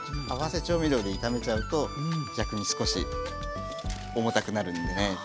合わせ調味料で炒めちゃうと逆に少し重たくなるんでね